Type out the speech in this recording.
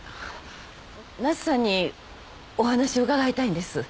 奈津さんにお話を伺いたいんです。